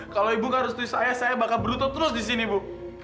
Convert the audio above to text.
kalau ibu nggak setuju saya saya bakal berlutut terus di sini bu